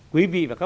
quý vị và các bạn